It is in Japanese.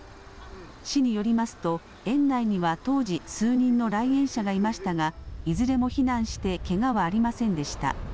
市によりますと、園内には当時、数人の来園者がいましたが、いずれも避難してけがはありませんでした。